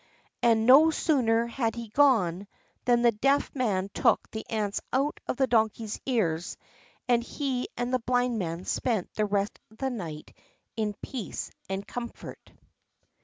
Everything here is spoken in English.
And no sooner had he gone than the Deaf Man took the ants out of the Donkey's ears, and he and the Blind Man spent the rest of the night in peace and comfort.